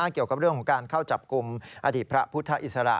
เกี่ยวกับเรื่องของการเข้าจับกลุ่มอดีตพระพุทธอิสระ